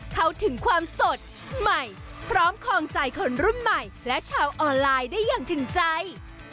เข้าถึงความสดใหม่พร้อมคลองใจคนรุ่นใหม่และชาวออนไลน์ได้อย่างถึงใจ